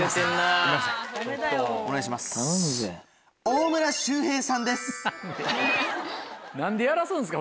大村周平さんです。